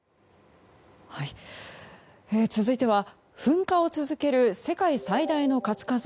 続いては噴火を続ける世界最大の活火山